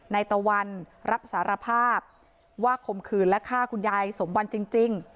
ตะวันรับสารภาพว่าคมคืนและฆ่าคุณยายสมวันจริง